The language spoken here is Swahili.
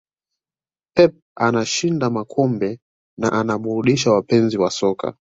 pep anashinda makombe na anaburudisha wapenzi wa soka